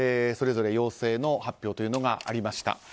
それぞれ陽性の発表がありました。